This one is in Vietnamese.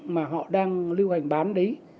mà họ đang lưu hành bán đấy